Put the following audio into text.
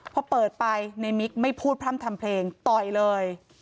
พอเปิดไปในมิกไม่พูดพร่ำทำเพลงต่อยเลย